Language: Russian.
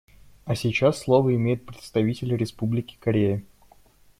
А сейчас слово имеет представитель Республики Корея.